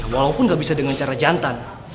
walaupun nggak bisa dengan cara jantan